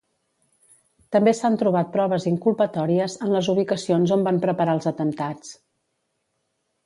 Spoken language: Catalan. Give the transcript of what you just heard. També s'han trobat proves inculpatòries en les ubicacions on van preparar els atemptats.